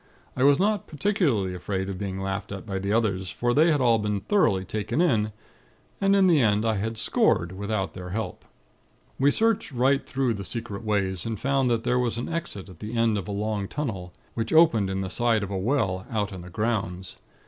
I was not particularly afraid of being laughed at by the others; for they had all been thoroughly 'taken in'; and in the end, I had scored, without their help. "We searched right through the secret ways, and found that there was an exit, at the end of a long tunnel, which opened in the side of a well, out in the grounds.